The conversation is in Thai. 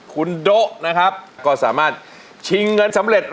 คุณโด๊ะนะครับก็สามารถชิงเงินสำเร็จ